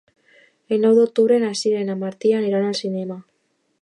El nou d'octubre na Sira i en Martí aniran al cinema.